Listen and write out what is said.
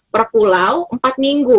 per pulau empat minggu